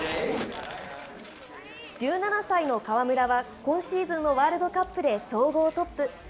１７歳の川村は、今シーズンのワールドカップで総合トップ。